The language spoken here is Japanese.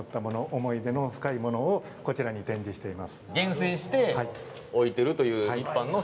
思い出の深いものをこちらに展示しています。